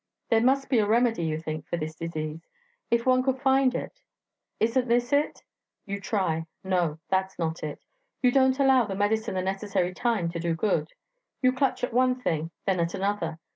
There must be a remedy, you think, for this disease, if one could find it. Isn't this it? You try no, that's not it! You don't allow the medicine the necessary time to do good... You clutch at one thing, then at another.